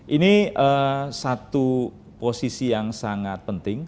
ini satu posisi yang sangat penting